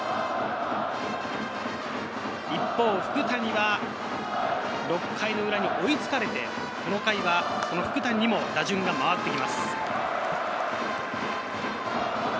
一方、福谷は６回裏に追いつかれて、この回は福谷にも打順が回ってきます。